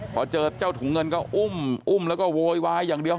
พอเจอเจ้าถุงเงินก็อุ้มอุ้มแล้วก็โวยวายอย่างเดียว